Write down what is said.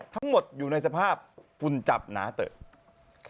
ทั้งหมดอยู่ในสภาพฝุ่นจับหนาเถอะ